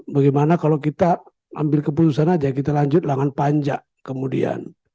bagaimana kalau kita ambil keputusan aja kita lanjut langan panjang kemudian